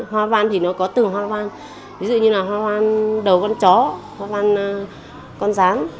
hoa van thì nó có từ hoa van ví dụ như là hoa van đầu con chó hoa van con rán